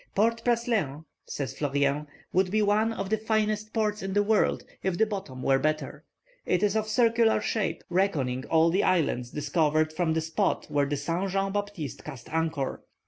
"Port Praslin," says Fleurien, "would be one of the finest ports in the world, if the bottom were better. It is of circular shape, reckoning all the islands discovered from the spot where the Saint Jean Baptiste cast anchor.